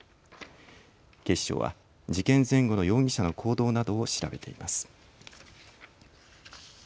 警視庁は事件前後の容疑者の行動などを調べています。